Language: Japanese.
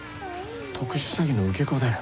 特殊詐欺の受け子だよ。